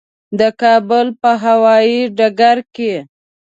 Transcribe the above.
د کابل په هوایي ډګر کې.